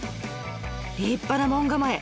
立派な門構え！